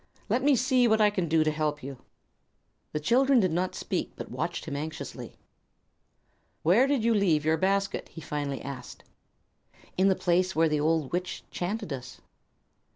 Let me see: what can I do to help you?" The children did not speak, but watched him anxiously. "Where did you leave your basket?" he finally asked. "In the place where the old witch 'chanted us."